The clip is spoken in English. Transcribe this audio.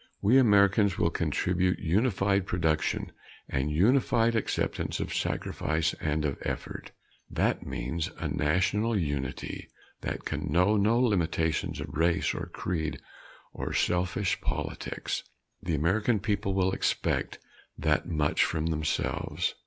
We Americans will contribute unified production and unified acceptance of sacrifice and of effort. That means a national unity that can know no limitations of race or creed or selfish politics. The American people expect that much from themselves.